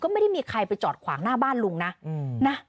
ไม่ได้มีใครไปจอดขวางหน้าบ้านลุงนะ